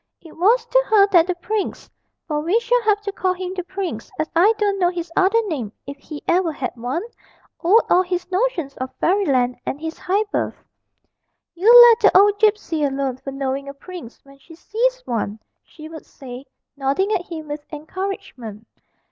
It was to her that the prince (for we shall have to call him 'the prince,' as I don't know his other name if he ever had one) owed all his notions of Fairyland and his high birth. 'You let the old gipsy alone for knowing a prince when she sees one,' she would say, nodding at him with encouragement.